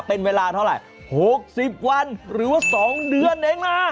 เป็นเวลาเท่าไหร่๖๐วันหรือว่า๒เดือนเอง